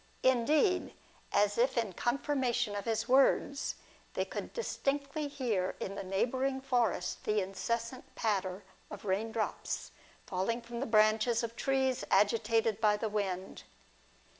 Indeed, as if in confirmation of his words, they could distinctly hear in the neighbouring forests the incessant patter of rain drops falling from the branches of trees agitated by the wind.